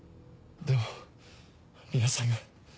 でも皆さんが。